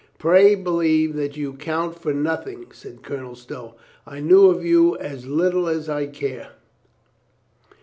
"Pray believe that you count for nothing," said Colonel Stow. "I knew of you as little as I care."